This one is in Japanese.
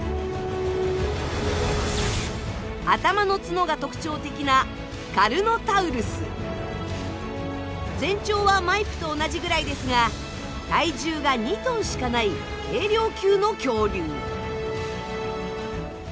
頭の角が特徴的な全長はマイプと同じぐらいですが体重が２ｔしかない軽量級の恐竜。